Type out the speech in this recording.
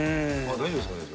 大丈夫ですか、先生。